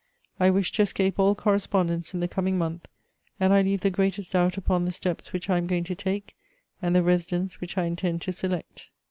I wish to escape all correspondence in the coming month, and I leave the greatest doubt upon the steps which I am going to take and the residence which I intend to select.